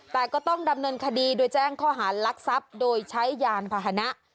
แต่ก็ต้องดำเนินคดีด้วยแจ้งข้อหารรักษัพโดยใช้ยานภาษณะ